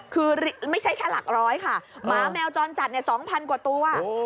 คือไม่ใช่แค่หลักร้อยค่ะหมาแมวจรจัด๒๐๐กว่าตัว